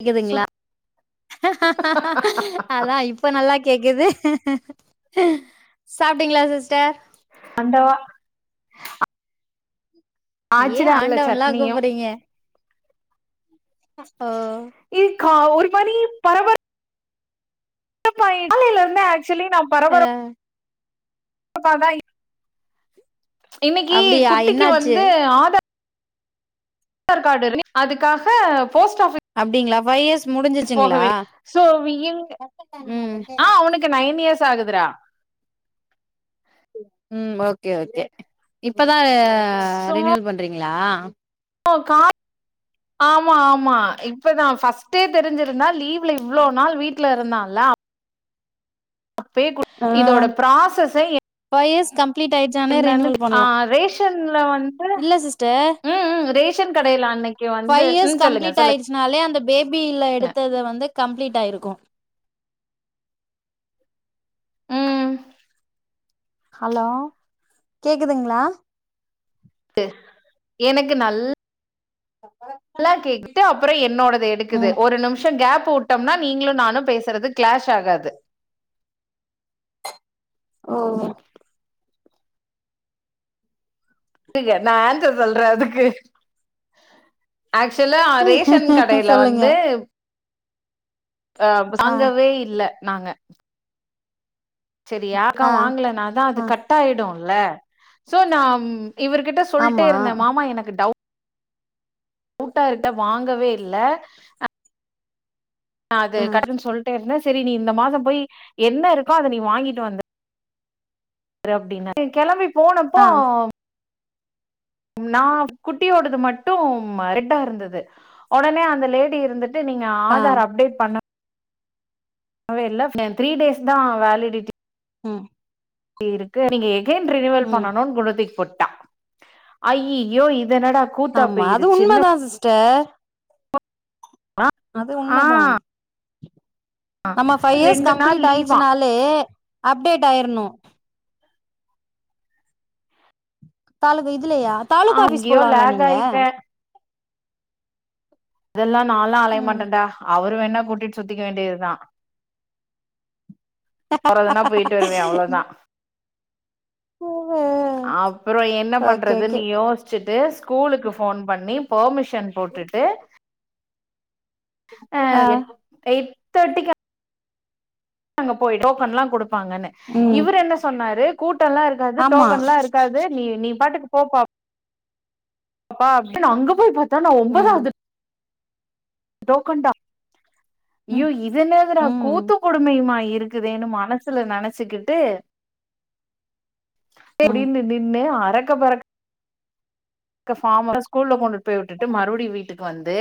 க்குதுங்களா? சுத் அதா இப்ப நல்லா கேக்குது சாப்ட்டீங்களா சிஸ்டர்? ஆண்டவா அ ஏன் ஆண்டவன்லா சட்னியும் கூப்பட்றீங்க? அ இ க்கா ஒரு மாரி பரபர ப்பாயி காலைல இருந்தே ஆ க்சுவலி நா பரபர அ ப்பாதா இ இன்னக்கி அப்டியா குட்டிக்கு என்னாச்சு வந்து ஆதா ர் கார்டு ரினி அதுக்காக போஸ்ட் ஆ அப்டிங்களா? ஃபைவ் இயர்ஸ் ஃபீஸ் போக முடிஞ்சிச்சுங்களா வேண்டி சோ வி இங் ம் ஆ அவனுக்கு நைன் இயர்ஸ் ஆகுதுரா ம் ஓகே ஓகே இப்ப தா சோ ரினிவல் பண்றீங் களா? [inaudible] ஆமா ஆமா இப்பதா ஃபஸ்ட்டே தெரிஞ்சிருந்தா லீவ்ல இவ்ளோ நாள் வீட்ல இருந்தான்ல அ அப்பயே குடு ஆ இதோட ப்ராசஸே எ ஃபைவ் இயர்ஸ் கம்ப்ளீட் ஆயிருச்சுனாலே ரினிவல் பண்லா. ரேஷன்ல வந்து இல்ல சிஸ்டர் ம் ம் ரேஷன் கடையில அன்னைக்கு வந்து ஃபைவ் இயர்ஸ் ம் சொல்லுங்க கம்ப்ளீட் சொல்லுங்க ஆயிடுச்சுனாலே அந்த பேபில எடுத்தது வந்து கம்ப்ளீட் ஆயிருக்கு. ம் ஹலோ கேக்குதுங்களா? க்கு எனக்கு நல் லா கேட்டுட்டு அப்புறோ என்னோட து எடுக்குது ம் ஒரு நிமிஷோ கேப் ப்பு உட்டம்னா நீங்களு நானு பேசுறது கிளாஷ் ஆகாது ஓ டிகன் நா அன்சர் சொல்ற அதுக்கு ஆக்சுவலா ரேஷன் கடைல சொல்லுங்க வந்து ஆ [inaudible] வாங்கவே இல்ல நாங்க செரியா அக்கா ஆ வாங்கலனாதா அது ஆ கட் ஆயிடுல்ல சோ நாம் இவருகிட்ட சொல்டே ஆமா இருந்த மாமா எனக்கு டவ் கூட்டழ இருட்ட வாங்கவே இல்ல அ நா அது ம் கடனுன் சொல்டனு செரி நீ இந்த மாசோ போய் என்ன இருக்கோ அத நீ வாங்கிட்டு வந்து ரு அப்டினார் நீ கெளம்பிப் ஆ நாவ் குட்டியோடது மட்டும் மரட்டாருந்தது ஒடனே அந்த லேடி இருந்துட் டு நீங்க ஆ ஆதார் அப்டேட் பண்ணு அவா எல்லா ஃபேன் த்ரீ டேஸ் தா வேலிடிட்டி ம் டி இருக்கு நீங்க ஏ ஏன் ரினிவல் ம் பண்ணணுன் குடத்திக் போட் ட ஐய்யிய்யோ இப் இதென்னடா கூத்தா பேய்ருச்சுனுப் ட அது உண்ம ஆ தா அம்மா பைவ் இயர்ஸ் ரெண்டு நாள் கம்ப்ளீட் லீவா ஆய்டுச்சினாலே அப்டேட் ஆயிர்னு தாலு போய்ட் இல்லையா ஆ தாலுகா ஆபீஸ் எங்கேயோ போலால லேக் நீங்க ஆயிட்டே இதெல்லா நாலா அலைய ம் மாட்ட டா அவர் வேணா கூட்டிட் சுத்திக்க வேண்டியது தா போறதுனா போய்ட்டு வருவே அவ்ளோ தா அப்றோ என்ன ஓகே ஓகே பண்றதுன்னு யோஸ்சிட்டு கூலுக்கு ஃபோன் பண்ணி போமிஷ் பெர்மிஷன் போட்டுட்டு அ ஆ எப் எ [unintelligible] தொட்டுக்க நாங்க போய்ட் டோக்கன் லா குடு பாங்கன்னு ம் இவரு என்ன சொன்னாரு கூட்டல்லாருக்காது ஆமா டோக்கன் லா இருக்காது நீ நீ பாட்டுக்கு போ பா பா அப்டின் அங்க போய் பாத் தனா ம் ஒம்பதாவ்து லோகண்டா [unintelligible] ய்யோ ம் இதனெங்கடா ம் கூத்துங் கொடுமையு மா இருக் இருக்குதேன்னு மனசுல நெனச்சுக்கிட்டு ம் அடனு நன [unintelligible] பறக்க பறக்க பார் ஸ்கூல்ல கொண்டு போய் விட்டுட்டு மறுபடியு வீட்டுக்கு வந்து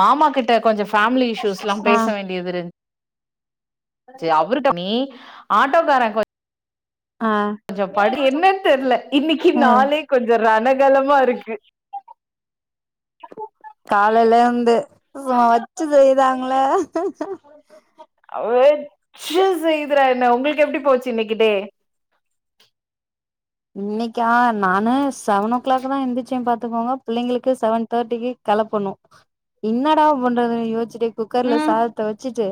மாமா கிட்ட கொஞ்சொ ஃபேமிலி இஷ்யூஸ்லா ஆ பேச வேண்டியது இருந்து சரி அவர்ட்ட நீ ஆட்டோக்கார கோ ஆ கொஞ்ச படு என்னன்னு தெரியல இன்னைக்கு நாளே கொஞ்ச ரணகலமா இருக்கு காலேல இத வச்சு செய்ராங்கள வெச்சு செய்றாதுன்ன உங்களுக்கு எப்டி போச்சு இன்னைக்கு டே இன்னைக்கா நான் அ செவன் ஓ கிளாக் தா எந்துருச்சே பாத்து பாத்துகோங்க பிள்ளைங்களுக்கு செவன் தேர்டிக்கு கெலப்பணு என்னடா பண்றதுனு யோச்சிட்டே குக்கர்ல ம் சாதத்த வெச்சுட்டு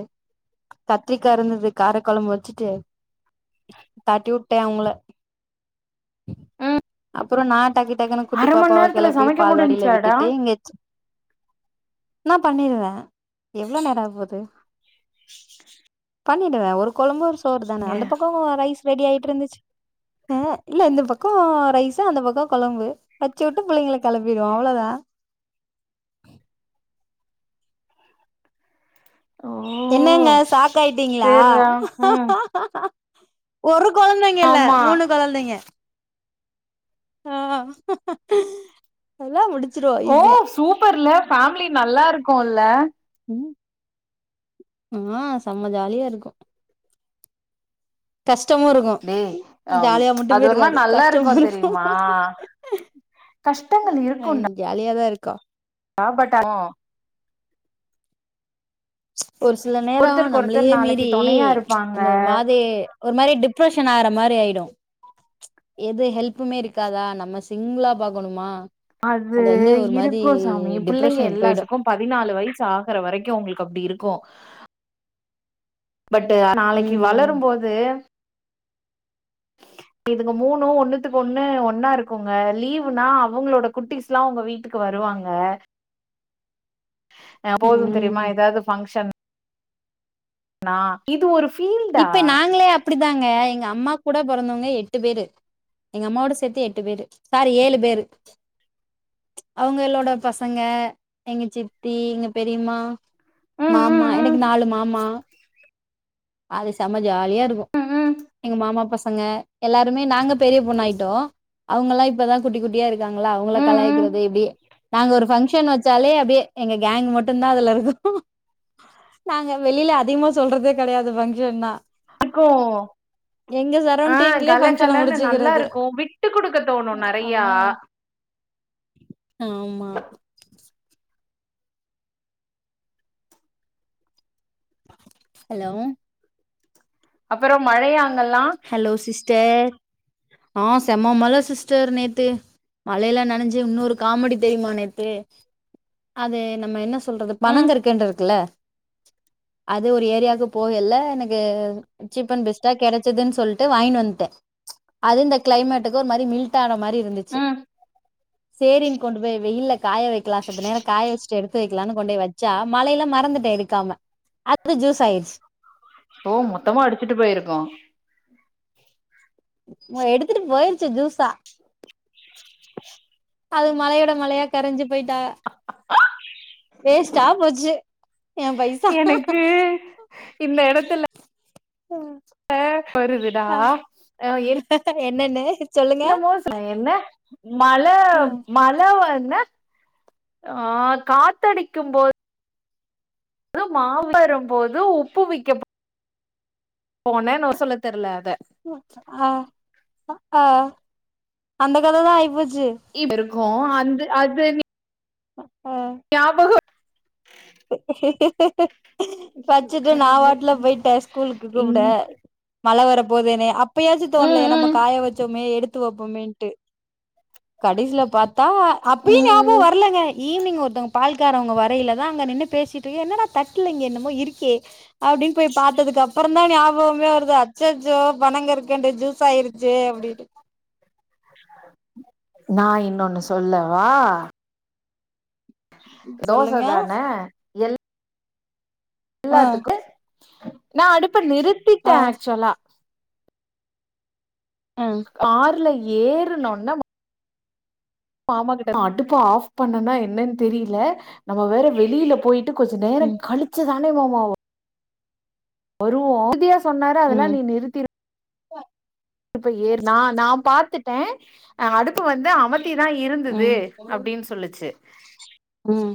கத்திரிக்கா இருந்தது கார கொழம்பு வச்சுட்டு தட்டி விட்டே அவங்கள ம் அப்றோ நா டக்கு டக்குன்னு குட்டி அர மண் பாப்பாவ நேரத்துல கிளப்பி சமைக்க பால்வாடில முடிஞ்சாடா விட்டுட்டு இங்க நா பண்ணிருவே எவ்ள நேர ஆக போகுது பண்ணிடுவே ஒரு கொழம்பு ஒரு சோறு தான இங்க அந்த பக்கோ ரைஸ் ரெடி ஆகிட்டு இருந்துச்சு இல்ல இந்த பக்கோ ரைஸு அந்த பக்க கொழம்பு வச்சு விட்டு பிள்ளைங்கள கிளப்பிடுவே அவ்ளவுதான் ஓ என்னங்க சாக்காய்ட்டீங்ளா சேர்ரா ம் ஒரு ஒரு கொழந்தைங்க இல்ல ஆமா மூனு கொழந்தைங்க ஆ எல்லா முடிச்சிருவோ ஓ ஈஸியா சூப்பர்ல ஃபேமிலி நல்லா இருக்கோல்ல ஆ செம்ம ஜாலியா இருக்கும் கஷ் கஷ்டமா இருக்கு டேய் அம் ஜாலியா அது மட்டுமே ஒரு மாரி இருக்காது நல்லா கஷ்டமா இருக்கு இருக்கும் தெரியுமா கஷ்டங்கள் இருக்குன்டா ஜாலியாதா இருக் கா [unintelligible] ஒரு சில நேர ஒருத்தருக்கு நம்பளே ஒருத்தர் நாளைக்கு மீறி தொணையா இருப்பாங்க அந்த ஒரு மாதி ஒரு மாரி டிப்ரஷன் ஆகற மா ஆயிடும் எது ஹெல்ப்புமே இருக்காதா நம்ம சிங்களா பாக்கணுமா அது வந்து ஒரு மாதி இருக்கு சாமி புள்ளைங்க டிப்ரெஷனுக்கு போயிடு எல்லாத்துக்கும் பதினாலு வயசு ஆகுற வரைக்கு உங்களுக்கு அப்டி இருக் கும் பட் நாளைக்கு ம் வளரும்போது இதுங்க மூணு ஒண்ணுத்துக்கு ஒண்ணு ஒண்ணா இருக்குங்க லீவுனா அவுங்களோட குட்டிஸ்லா உங்க வீட்டுக்கு வருவாங்க ஆ போகுதும். தெரிம்மா ம் ஏதாவது ஃபங்க்ஷன் நா இது ஒரு ஃபீல்டா இப்ப நாங்களே அப்டிதாங்க எங்க அம்மாக் கூட பொறந்தவங்க எட்டு பேரு எங்க அம்மாவோட சேத்து எட்டு பேரு சாரி ஏழு பேரு அவுங்களோட பசங்க எங்க சித்தி எங்க பெரிம்மா ம் மாமா ம் எனக்கு ம் நாலு மாமா அது சமைல் ஜாலியா இருக்கு ம் ம் எங்க மாமா பசங் சங்க எல்லாருமே நாங்க பெரிய பொண்ணாயிட்டோ அவுங்க எல்லா இப்பதா குட்டி குட்டியா இருக்காங்களா அவுங்கள ம் ம் கலாயிக்கிறது இப்டி நாங்க ஒரு ஃபங்க்ஷன் வச்சாலே அப்டியே எங்க கேங்க் மட்டுதா அதுல இருக்க நாங்க வெளியல அதிகமா சொல்றது கெடையாது ஃபங்க்ஷன்னா இருக்கோ எங்க ஆ சரௌண்டிங்லயே கல ஃபங்க்ஷன கலன்னு நல்லா முடிச்சுக்கிறது இருக்கும் விட்டு குடுக்க தோணு நெறையா ஆம்மா ஹலோ அப்புற மழயா அங் ஹலோ சிஸ் டர் ஆ செம்ம மழ சிஸ்டர் நேத்து மழையல நனைஞ்சு இன்னுரு காமெடி தெரியுமா நேத்து அது நம்ம என்ன சொல்றது ம் பனங்கற்கண்டு இருக்குல்ல அது ஒரு ஏரியாவுக்கு போகல்லே எனக்கு சீப் அண் பெஸ்டா கெடைச் ச்சதுனு சொல்ட்டு வாய்னு வன்டே அது இந்த க்ளைமேட் க்கு ஒரு மாரி மில்ட் ஆன மாரி இருந்துச்சு ம் சேரின் கொண்டு போய் வெயில்ல காய வைக்கலா செத்த நேர காய வச்சுட்டு எடுத்து வைக்கலான் கொண்டு வச்சா மழையல மறந்துட்டே எடுக்காம அது ஜூஸ்சா ஆயிச்சு ஓ மொத்தமா அடிச்சுட்டு போயிருக்கோ மோ எடுத்துட்டு போயிருச்சு ஜூஸா அது மழயோட மழயா கரஞ்சு போயிட்டாக வேஸ்ட்டா போச்சு என் பைசா எனக்கு இந்த எடத்துல அ ஒரு விடா அ எனிக் என்னன்னு சொல்லுங்க இப்ப என்ன மழ மழ வர் என ஆ காத்தடிக்கும் போத் து மா விக் போது உப்பு விக்கப் போனன் நோ சொல்ல தெர்ல அத ஆ ஆ அந்த கத தா ஆய்போச் இப் கோ அந்து அது நீ ஆஹ ஞாபகோ ஐயோ வச்சுட்டு நா கடவுளே பாட்ல போய்ட ஸ்கூலுக்கு கூப்ட ம் மழ வர போது எனைய அப் இப்பயாச்சு ம் தோண்லைய நம்ம ம் காய வச்சோமே எடுத் துவப்பமேன்ட்டு கடேசில பாத் தா அப்பயு ஞாபோ ம் வரலங்க ஈவ்னி்ங் ஒருத்தோங் பால் உக்கார் அவ்ங்க வரையில நா அங்க நின்னு பேசிட்டிருக்க என்னட தட்ல இங்க என்னமோ இருக்கே அப்டின் போய் பாத்ததுக்கு அப்பறம் தா ஞாபோமே வருது அச்சச்சோ பனங்கற்கண்டு ஜூஸ் ஃவைருச்சே அப்டின்னு நா இன்னொன்னு சொல்லவா தோச சொல்லுங்க தான எல் ஆ எல்லாத்துக்கு நா அடுப் பு நிறித்திட ஆ ஆக்சுவலா ஆ கார்லை ஏர்ன ஒன்ன மாமா கிட்ட அடுப்பா ஆப் பண்ணனா என்னன்னு தெரியல நம்ம வேற வெளியில போயிட் கொஞ்ச ம் நேரம் கழுச்சு சானே மாமா [unintelligible] ஒருவாக்ல சொன்னாரு அதெல்லா நீ நிறுத்தி போ இப்ப ஏர் நா நா பாத்துட்டே அடுத்து வந்து அவம ட்டி தா இருந்தது ம் அப்டீனு சொல்லுச்சு ம்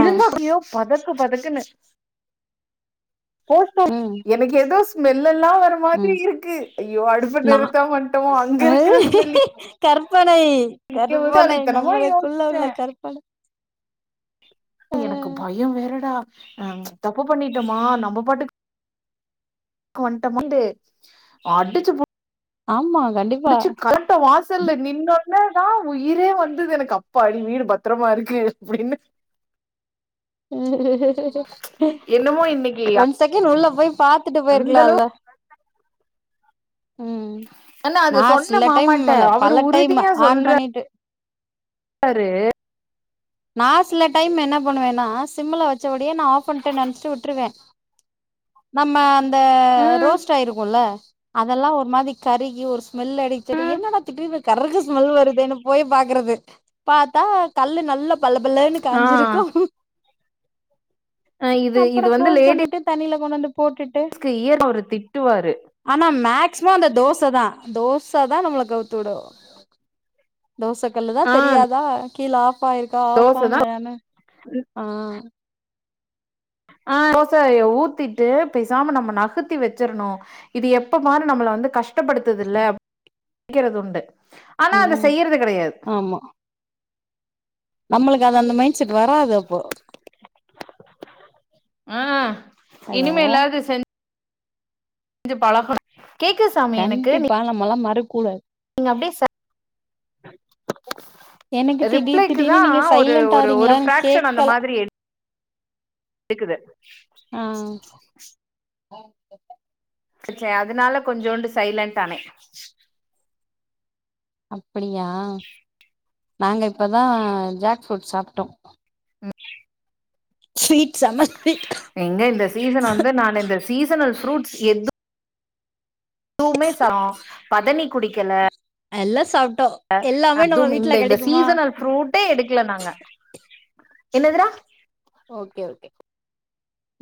ஆ பத க்கு பதக்குன்னு போம் ம் எனக்கு எதோ மே இ எல்லா வர மாதிரி ம் இருக்கு ஐயோ அடுப்ப நா நிறத்தாம வந்டோமோ அங்க இருக்ற ஸ்மெல்லி கருப் கற்பனை கற்பனை நம்மளுக்குள்ள யோசிச்சே உள்ள கற்பனை ஆ எனக்கு பய வேறடா ஹ் தப்பு பண்ணிட்டமா நம்ப பாட்டுக்கு வன்ட்டமான்டு அடுச்சு ஆமா கண்டிப்பா முடிச்சு கழட்ட வாசல்ல நின்னோ என்னதா உயிரே வந்தது எனக்கு அப்பாடி வீடு பத்தரமாருக்கு அப்டின்னு உ என்னமோ இன்னைக்கு ஒன் செகெண்ட் உள்ள போய் பாத்துட்டு அந்த போயிருக்கலால்ல உம் ஆனா அது நா சொன்ன சில டைம் மாமாட்ட இல்ல அவரு பல டைம் ஆன் பண்ணிட்டு றாரு நா சில டைம் என்ன பண்ணுவேனா சிம்முல வச்சபடியே நா ஆப் பண்ட்டே நெனச்ட்டு உட்ருவே நம்ம அந்த ம் ரோஸ்ட் ஆயிருக்குல அதெலா ஒரு மாரி கருகி ஒரு மெல்ல அடிச்சட்டு என்னடா திடீர்னு கருகுற ஸ்மெல் வருதேனு போய் பாக்குறது பாத்தா கல்லு நல்ல பளபளன்னு காஞ்சிருக்கு ஆ இது இது அப்புறோ வந்து க்ளோஸ் லேடிஸ் பண்ணிட்டு [unintelligible] ஸ்கு இயற அவுரு திட்டுவாரு சுமா அந்த தோச தா தோச தா நம்மள கவுத்து விடு தோச கல்லு தா ஆ தெரியாதா கீழ ஆஃப்யில் கா தோச தா ஆஃப்யில்லான்ன ஆ ஆ தோசய ஊத்திட்டு பேசாம நம்ம நகத்தி வச்சிர்ணு இது எப்ப பாரு நம்மள வந்து கஷ் டப்படுத்துதுல்ல க்கிறதுண்டு ஆனா அத ம் செய்யிறது கெடையாது நம்மளுக் அது அந்த மைண்ட் செட் வராது அப்போ ஆ ஹலோ இனிமேலாது செஞ் ஞ்சு பழகோன் கேக்குது சாமி எனக்கு நீ கூற நீங்க அப்டியே சை எனக்கு திடீர் திடீர்னு ரிப்ளைக்குதா நீங்க ஒரு சைலண்ட் ஒரு ஆறீங்களா ஒரு எனக்கு ஃப்ராக்ஷன் அந்த கேக்கல மாதிரி கேக்குது ஆ [inaudible] செஞ்சா அதனால கொஞ்சோண்டு சைலன்ட் ஆன அப்டியா நாங்க இப்பதா ஜாக்ஃபுட் சாப்ட்டோ ம் ச்சீ எங்க இந்த சீசன் வந்து நான் இந்த சீசன் ஃப்ரூட்ஸ் எது எதுவுமே சாப் பதனி குடிக்கல எல்லா சாப்ட்டோ ஆ எல்லாமே அது நம்ம வீட்ல இந்த கெடைக்குமா சீசனல்ல ஃப்ரூட்டே எடுக்கல நாங்க என்னது ரா ஓகே ஓகே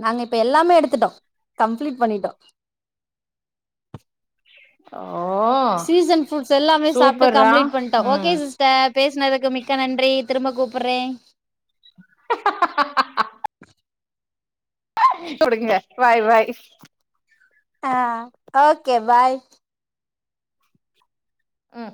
நாங்க இப்ப எல்லாமே எடுத்துட்டோ கம்ப்ளீட் பண்ணிட்டோ அ சீசன் ஃபரூட்ஸ் எல்லாமே சாப்ட்டு சூப்பர்ரா கம்ப்ளீட் பண்ட்ட ஓகே ம் சிஸ்டர் பேசனதுக் மிக்க நன்றி திரும்ப கூப்புறே [inaudible] தொடுங்க பாய் பாய் ஆ [unintelligible] கே பாய் ம்